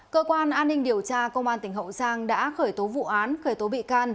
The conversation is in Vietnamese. cơ quan an ninh điều tra công an thành phố nha trang đã khởi tố vụ án khởi tố bị can